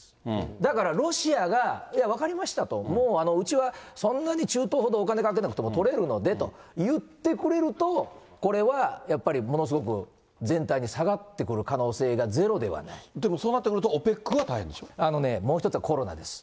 だからロシアが、いや、分かりましたと、もううちはそんなに中東ほどお金かけなくてもとれるのでと言ってくれると、これはやっぱりものすごく全体に下がってくる可能性がでもそうなってくると、ＯＰあのね、もう一つはコロナです。